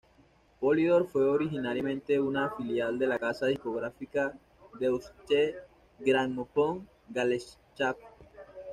Polydor fue originariamente una filial de la casa discográfica Deutsche Grammophon Gesellschaft.